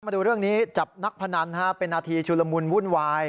มาดูเรื่องนี้จับนักพนันเป็นนาทีชุลมุนวุ่นวาย